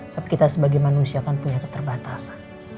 tapi kita sebagai manusia kan punya keterbatasan